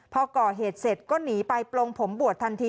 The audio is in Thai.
พอก่อเหตุเสร็จก็หนีไปปลงผมบวชทันที